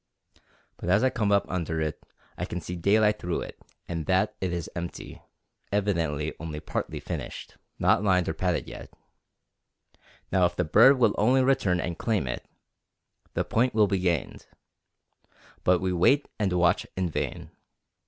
But as I come up under it, I can see daylight through it, and that it is empty, evidently only partly finished, not lined or padded yet. Now if the bird will only return and claim it, the point will be gained. But we wait and watch in vain.